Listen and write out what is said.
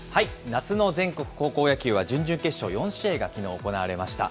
夏の全国高校野球は準々決勝４試合がきのう、行われました。